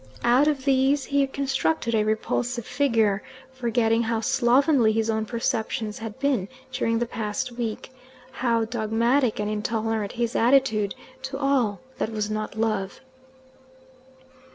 Out of these he constructed a repulsive figure, forgetting how slovenly his own perceptions had been during the past week, how dogmatic and intolerant his attitude to all that was not Love.